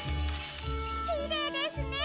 きれいですね。